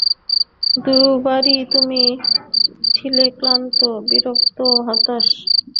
দুবারই তুমি ছিলে ক্লান্ত, বিরক্ত, হতাশ।